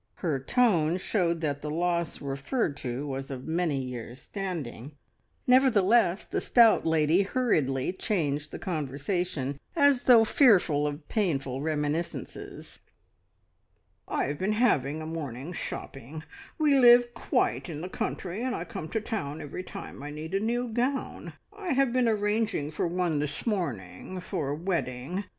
Her tone showed that the loss referred to was of many years' standing; nevertheless, the stout lady hurriedly changed the conversation, as though fearful of painful reminiscences. "I have been having a morning's shopping. We live quite in the country, and I come to town every time I need a new gown. I have been arranging for one this morning, for a wedding.